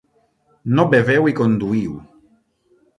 No beveu i conduïu.